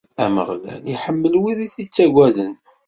Ameɣlal iḥemmel wid i t-ittaggaden.